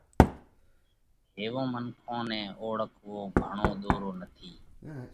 ھيوون منکون نئہ اوۯکوو گھڻو ۮورو نٿِي،